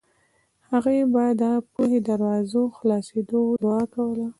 هغې به د پوهې د دروازو خلاصېدو دعا کوله